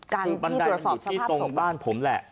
การที่ตรวจสอบสภาพศพคือบันไดอยู่ที่ตรงบ้านผมแหละ